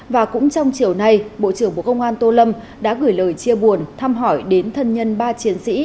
và cũng trong chiều nay bộ trưởng bộ công an tô lâm đã gửi lời chia buồn thăm hỏi đến thân nhân ba chiến sĩ